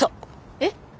えっ？